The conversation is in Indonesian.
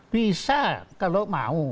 bisa kalau mau